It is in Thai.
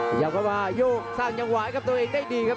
พยายามกลับมาโยกสร้างยังไหวครับตัวเองได้ดีครับ